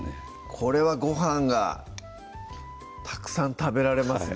これはご飯がたくさん食べられますね